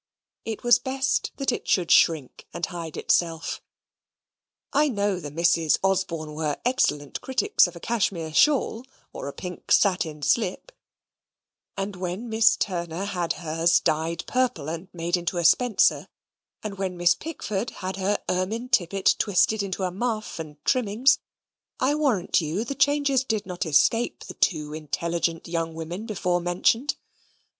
It was best that it should shrink and hide itself. I know the Misses Osborne were excellent critics of a Cashmere shawl, or a pink satin slip; and when Miss Turner had hers dyed purple, and made into a spencer; and when Miss Pickford had her ermine tippet twisted into a muff and trimmings, I warrant you the changes did not escape the two intelligent young women before mentioned.